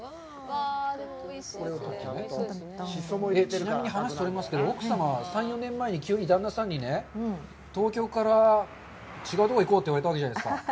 ちなみに、話それますけど奥様は３４年前に急に旦那さんに、東京から違うところに行こうって言われたわけじゃないですか。